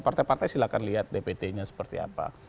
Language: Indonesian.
partai partai silahkan lihat dpt nya seperti apa